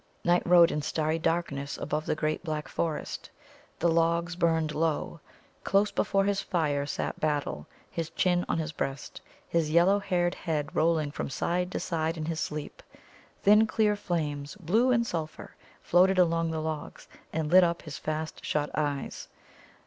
Night rode in starry darkness above the great black forest. The logs burned low. Close before his fire sat Battle, his chin on his breast, his yellow haired head rolling from side to side in his sleep. Thin clear flames, blue and sulphur, floated along the logs, and lit up his fast shut eyes.